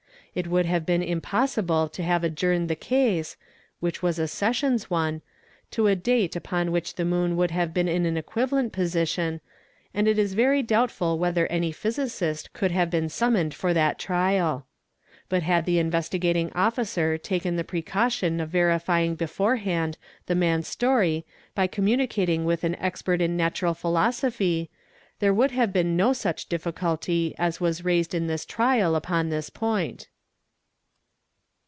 It would have been impossible to have adjourned the case, which was a sessions one, to a date upon | hich the moon would have been in an equivalent position and it is very fa oubtful whether any physicist could have been summoned for that trial. : But had the Investigating Officer taken the precaution of verifying Lo geetorehand the man's story by communicating with an expert in Natural Philosophy there would have been no such difficulty as was raised in this = upon this point.